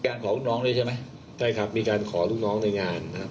ขอลูกน้องด้วยใช่ไหมใช่ครับมีการขอลูกน้องในงานนะครับ